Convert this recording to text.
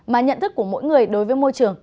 mà nhận thức của mỗi người đối với môi trường